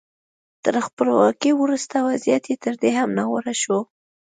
تر خپلواکۍ وروسته وضعیت تر دې هم ناوړه شو.